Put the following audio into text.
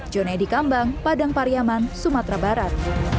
jonei dikambang padang pariaman sumatera barat